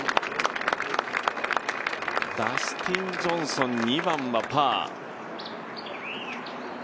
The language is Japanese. ダスティン・ジョンソン、２番はパー。